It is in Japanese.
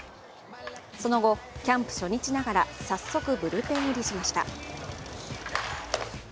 その後、キャンプ初日ながら早速ブルペン入りしました。